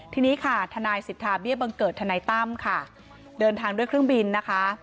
ทีนี้ค่ะทนายสิทธาเบี้ยบังเกิดทนายตั้มค่ะเดินทางด้วยเครื่องบินนะคะ